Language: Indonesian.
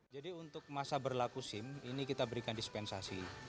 jadi untuk masa berlaku sim ini kita berikan dispensasi